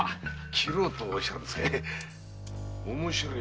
斬ろうとおっしゃるんですね？